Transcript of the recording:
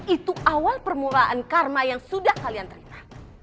itu awal permulaan karma yang sudah kalian terima